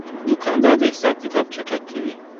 دوکاندار د حساب کتاب چټک کوي.